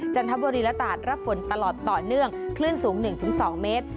จันทบุรีและตาดรับฝนตลอดต่อเนื่องคลื่นสูง๑๒เมตร